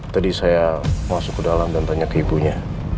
tadi saya masuk ke dalam dan tanya ke ibunya